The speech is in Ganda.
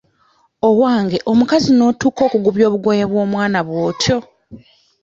Owange omukazi n'otuuka okugubya obugoye bw'omwana bw'otyo!